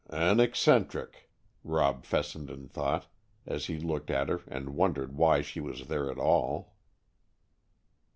"An eccentric," Rob Fessenden thought, as he looked at her, and wondered why she was there at all.